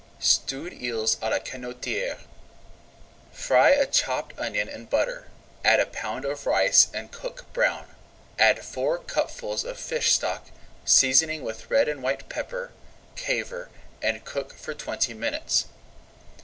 STEWED EELS À LA CANOTIERE Fry a chopped onion in butter, add a pound of rice and cook brown. Add four cupfuls of fish stock, seasoning with red and white pepper, caver, and cook for twenty minutes.